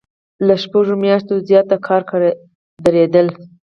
له شپږو میاشتو زیات د کار دریدل.